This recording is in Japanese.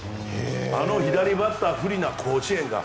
あの左バッター不利な甲子園が。